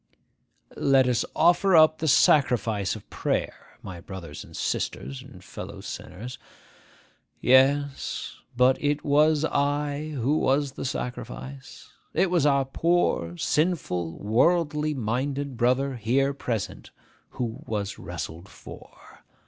'Let us offer up the sacrifice of prayer, my brothers and sisters and fellow sinners.' Yes; but it was I who was the sacrifice. It was our poor, sinful, worldly minded brother here present who was wrestled for.